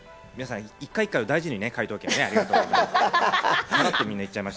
皆さん一回一回を大事にしていただきありがとうございます。